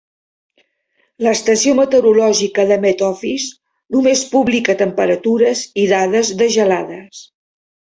L'estació meteorològica del Met Office només publica temperatures i dades de gelades.